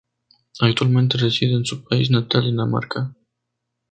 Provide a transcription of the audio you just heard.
Actualmente reside en su país natal, Dinamarca.